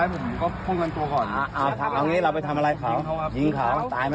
อะค่ะเอาอย่างเนี้ย